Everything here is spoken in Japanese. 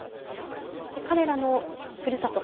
彼らのふるさと